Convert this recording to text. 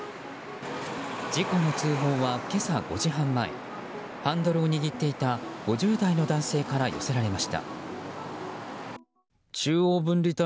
事故の通報は今朝５時半前ハンドルを握っていた５０代の男性から寄せられました。